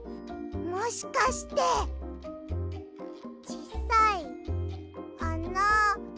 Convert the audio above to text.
もしかしてちっさいあなない。